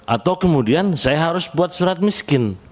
atau kemudian saya harus buat surat miskin